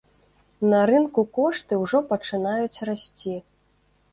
На рынку кошты ўжо пачынаюць расці.